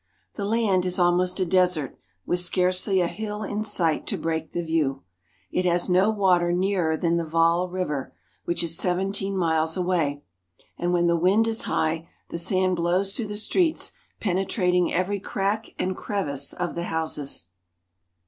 The land is almost a desert, with scarcely a hill in sight to break the view. It has no water nearer than the Vaal (val) River, which is seventeen miles away, and, when the wind is high, the sand blows through the streets, penetrating every crack and crevice of the houses.